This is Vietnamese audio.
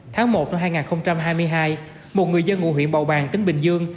tháng một năm hai nghìn hai mươi hai một người dân ngụ huyện bầu bàng tỉnh bình dương